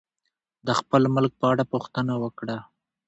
د خپل ملک په اړه پوښتنه وکړه.